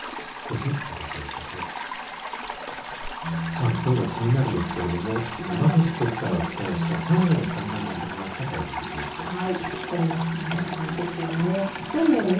さあ、きょうのキニナル！ですけれども山口局からお伝えしたサンゴの産卵が始まったというニュースです。